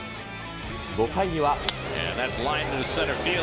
５回には。